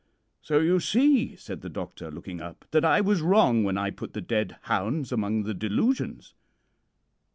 "'So, you see,' said the doctor, looking up, 'that I was wrong when I put the dead hounds among the delusions.'